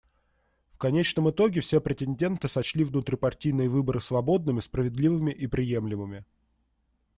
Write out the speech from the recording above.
В конечном итоге все претенденты сочли внутрипартийные выборы свободными, справедливыми и приемлемыми.